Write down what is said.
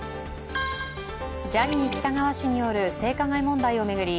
ジャニー喜多川氏による性加害問題を巡り